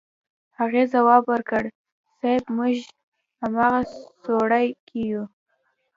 هغې ځواب ورکړ صيب موږ په امغه سوړه کې يو.